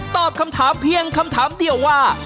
ตอบคำถามเพียงคำถามเดียวว่า